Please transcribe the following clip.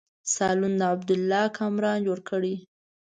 سالون د عبدالله کامران جوړ کړی.